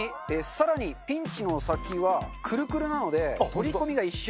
更にピンチの先はくるくるなので取り込みが一瞬。